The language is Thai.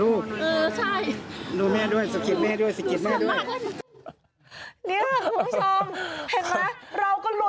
เย็นนีอยู่ไหน